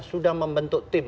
sudah membentuk tim